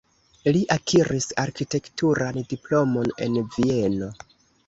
Li akiris arkitekturan diplomon en Vieno.